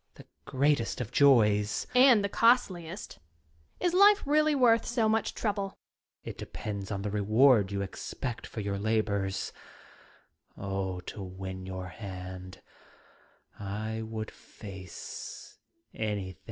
The greatest of joys Young Lady. And the costliest Is life really worth so much trouble? Student. It depends on the reward you expect for your labours To win your hand I would face anything.